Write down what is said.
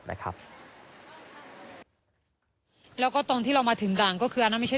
ส่วนรถที่นายสอนชัยขับอยู่ระหว่างการรอให้ตำรวจสอบ